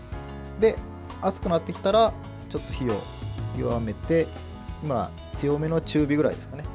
熱くなってきたらちょっと火を弱めて今、強めの中火ぐらいですね。